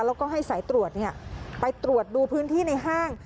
แล้วก็ให้สายตรวจไปตรวจดูพื้นที่ในห้าง